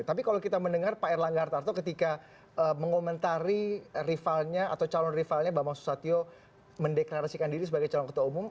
tapi kalau kita mendengar pak erlangga artarto ketika mengomentari rivalnya atau calon rivalnya bambang susatyo mendeklarasikan diri sebagai calon ketua umum